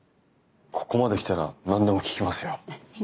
ここまで来たら何でも聞きますよ。